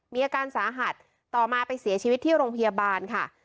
มีอาการสาหัสต่อมาไปเสียชีวิตที่โรงพยาบาลค่ะ